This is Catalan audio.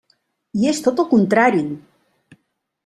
I és tot el contrari!